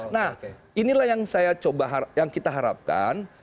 nah inilah yang saya coba yang kita harapkan